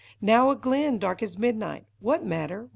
Now a glen dark as midnight — what matter